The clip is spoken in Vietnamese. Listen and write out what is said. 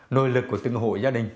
nội lực của từng hội gia đình